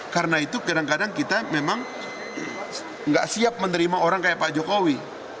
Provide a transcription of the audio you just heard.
karena itu kadang kadang kita memang tidak siap menerima orang seperti pak jokowi